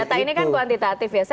data ini kan kuantitatif ya